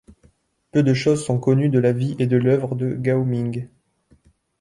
Peu de choses sont connues de la vie et de l'œuvre de Gao Ming.